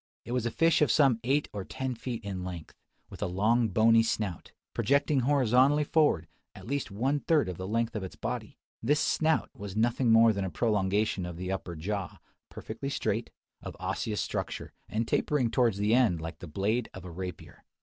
It was a fish of some eight or ten feet in length; with a long bony snout, projecting horizontally forward, at least one third of the length of its body. This snout was nothing more than a prolongation of the upper jaw, perfectly straight, of osseous structure, and tapering towards the end like the blade of a rapier.